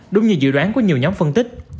đúng như dự đoán của nhiều nhóm phân tích